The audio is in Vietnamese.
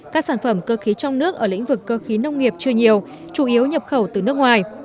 các sản phẩm cơ khí trong nước ở lĩnh vực cơ khí nông nghiệp chưa nhiều chủ yếu nhập khẩu từ nước ngoài